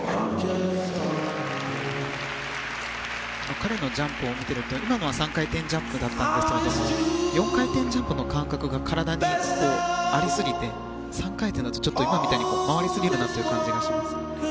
彼のジャンプを見ていると今のは３回転ジャンプだったんですが４回転ジャンプの感覚が体にありすぎて３回転だとちょっと今みたいに回りすぎる感じがします。